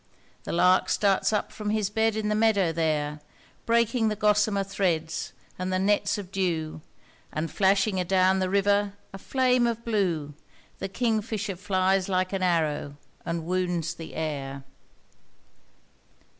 the lark starts up from his bed in the meadow there, Breaking the gossamer threads and the nets of dew, And flashing adown the river, a flame of blue! The kingfisher flies like an arrow, and wounds the air.